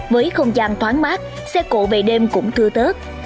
với không gian thoáng mát xe cộ về đêm cũng thưa tớt